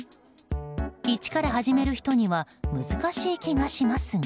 一から始める人には難しい気がしますが。